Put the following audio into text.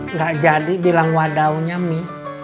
nggak jadi bilang wadaunya mi